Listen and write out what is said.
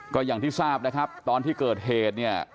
ก็อย่างที่ทราบนะครับตอนที่เกิดเหตุเนี่ย